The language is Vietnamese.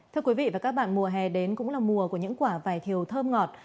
thưa quý vị và các bạn mùa hè đến cũng là mùa của những quả vải thiều thơm ngọt